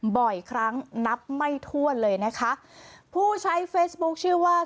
บ่อยครั้งนับไม่ถ้วนเลยนะคะผู้ใช้เฟซบุ๊คชื่อว่า